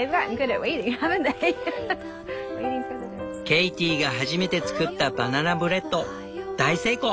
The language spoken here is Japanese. ケイティが初めて作ったバナナブレッド大成功。